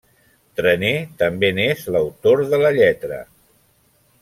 Trenet també n'és l'autor de la lletra.